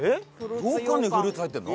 ようかんにフルーツ入ってるの？